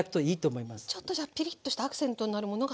ちょっとじゃあピリッとしたアクセントになるものが入ると。